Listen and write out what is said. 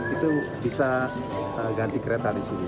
itu bisa ganti kereta di sini